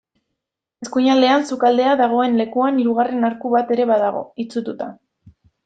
Eskuinaldean, sukaldea dagoen lekuan, hirugarren arku bat ere badago, itsututa.